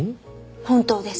本当です。